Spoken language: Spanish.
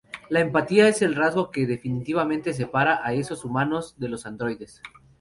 La empatía es el rasgo que definitivamente separa a esos humanos de los androides.